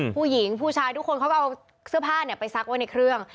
ผู้หญิงผู้ชายทุกคนเขาก็เอาเสื้อผ้าเนี่ยไปซักไว้ในเครื่อง